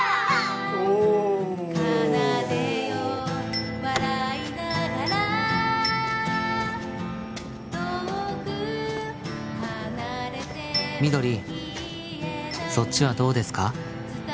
おおみどりそっちはどうですか？